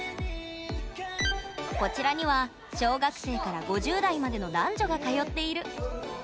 こちらには小学生から５０代までの男女が通っている。